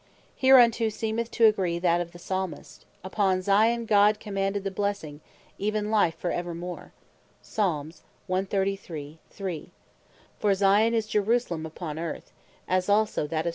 Hereunto seemeth to agree that of the Psalmist, (Psal. 133.3.) "Upon Zion God commanded the blessing, even Life for evermore;" for Zion, is in Jerusalem, upon Earth: as also that of S.